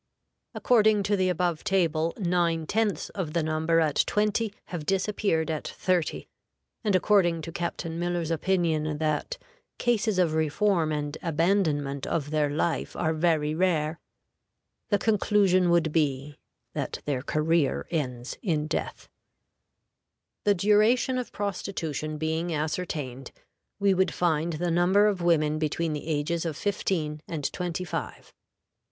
According to the above table, nine tenths of the number at twenty have disappeared at thirty, and according to Captain Miller's opinion that "cases of reform and abandonment of their life are very rare," the conclusion would be that their career ends in death. The duration of prostitution being ascertained, we would find the number of women between the ages of fifteen and twenty five.